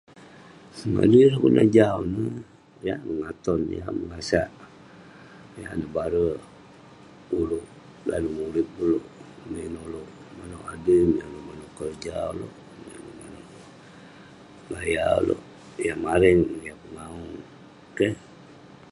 [unintelligible] kelunan jau ineh, yah mengaton yah menguasak yah nebare, ulouk dalem urip ulouk. Min ulouk manouk adui, manouk keroja ulouk. Min ulouk manouk gaya ulouk, yah mareng yah pengawu. Keh.